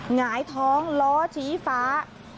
หงายท้องล้อชี้ฟ้า